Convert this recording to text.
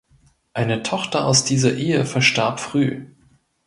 Eine Tochter aus dieser Ehe verstarb früh.